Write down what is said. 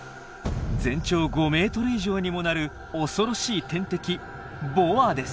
全長５ｍ以上にもなる恐ろしい天敵ボアです。